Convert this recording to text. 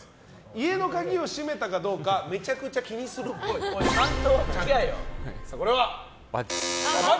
家の鍵を閉めたかどうかめちゃくちゃ気にするっぽい。×です。